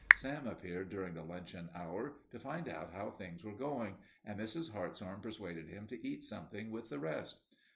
Sam appeared during the luncheon hour, to find out how things were going, and Mrs. Hartshorn persuaded him to eat something with the rest.